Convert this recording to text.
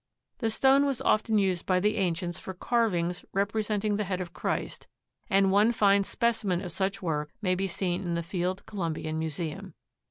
The stone was often used by the ancients for carvings representing the head of Christ, and one fine specimen of such work may be seen in the Field Columbian Museum.